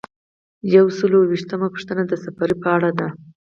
یو سل او یو ویشتمه پوښتنه د سفریې په اړه ده.